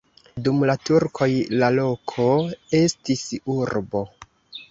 Dum la turkoj la loko estis urbo.